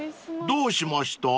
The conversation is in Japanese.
［どうしました？］